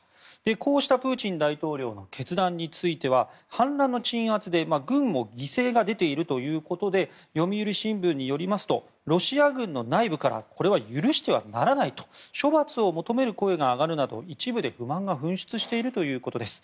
こうしたプーチン大統領の決断については、反乱の鎮圧で軍も犠牲が出ているということで読売新聞によりますとロシア軍の内部からこれは許してはならないと処罰を求める声が上がるなど一部で不満が噴出しているということです。